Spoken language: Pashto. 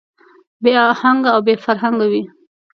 بې اهنګه او بې فرهنګه وي.